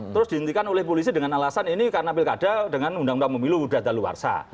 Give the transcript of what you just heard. terus dihentikan oleh polisi dengan alasan ini karena pilkada dengan undang undang pemilu sudah daluarsa